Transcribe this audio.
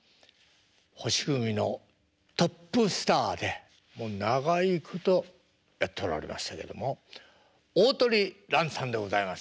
星組のトップスターでもう長いことやっておられましたけれども鳳蘭さんでございます。